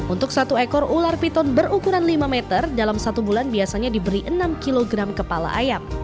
untuk satu ekor ular piton berukuran lima meter dalam satu bulan biasanya diberi enam kg kepala ayam